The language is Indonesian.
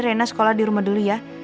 rena sekolah di rumah dulu ya